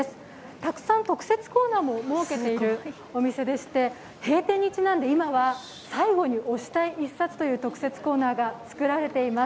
たくさん特設コーナーも設けているお店でして、閉店にちなんで今は最後に推したい１冊という特設コーナーが作られています。